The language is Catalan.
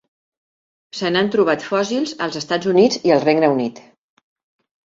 Se n'han trobat fòssils als Estats Units i el Regne Unit.